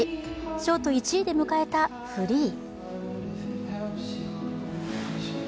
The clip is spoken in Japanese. ショート１位で迎えたフリー。